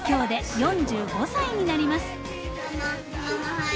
はい。